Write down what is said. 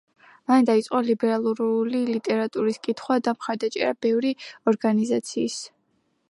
მან დაიწყო ლიბერალური ლიტერატურის კითხვა და მხარდაჭერა ბევრი ორგანიზაციის.